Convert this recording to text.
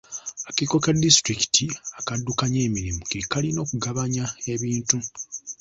Akakiiko ka disitulikiti akaddukanya emirimu ke kalina okugabanya ebintu.